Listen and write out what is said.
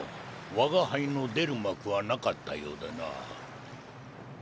我が輩の出る幕はなかったようだな。